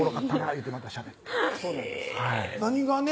いうてまたしゃべって何がね